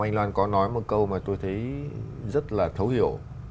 anh loan có nói một câu mà tôi thấy rất là thấu hiểu